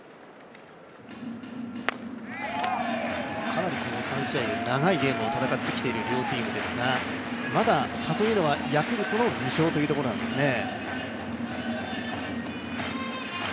かなりこの３試合、長いゲームを戦ってきている両チームですがまだ差というのはヤクルトの２勝というところなんですね。